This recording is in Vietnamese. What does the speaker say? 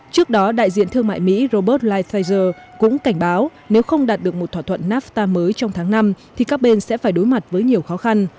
trước đó đại diện thương mại mỹ robert ligh pfizer cũng cảnh báo nếu không đạt được một thỏa thuận nafta mới trong tháng năm thì các bên sẽ phải đối mặt với nhiều khó khăn